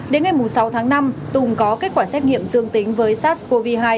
đến ngày sáu tháng năm tùng có kết quả xét nghiệm dương tính với sars cov hai